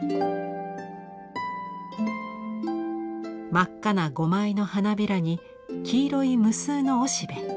真っ赤な５枚の花びらに黄色い無数のおしべ。